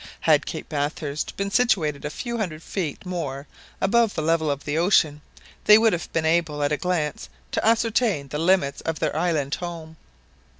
Had Cape Bathurst been situated a few hundred feet more above the level of the ocean, they would have been able at a glance to ascertain the limits of their island home.